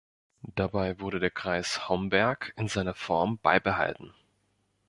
Dabei wurde der Kreis Homberg in seiner Form beibehalten.